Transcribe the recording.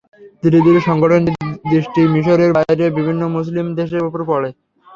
ধীরে ধীরে সংগঠনটির দৃষ্টি মিসরের বাইরে বিভিন্ন মুসলিম দেশের ওপর পড়ে।